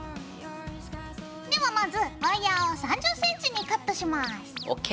ではまずワイヤーを３０ｃｍにカットします。ＯＫ。